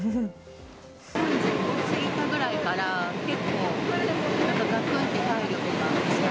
４５過ぎたぐらいから結構、なんかがくんって体力が落ちた。